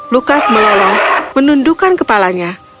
lukas melolong menundukkan kepalanya